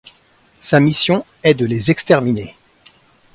Sa mission est de les exterminer.